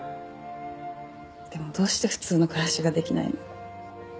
でもどうして普通の暮らしができないの？